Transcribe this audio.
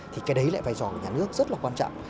thì cái đấy lại phải dò của nhà nước rất là quan trọng